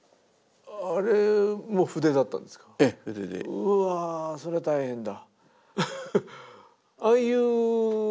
うわそれは大変だ。